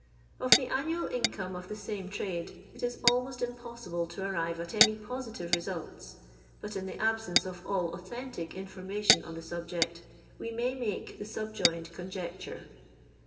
Of the annual income of the same trade, it is almost impossible to arrive at any positive results; but, in the absence of all authentic information on the subject, we may make the subjoined conjec ture.